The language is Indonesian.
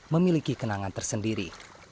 memiliki kenangan tersendiri